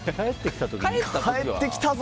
帰ってきたぞ！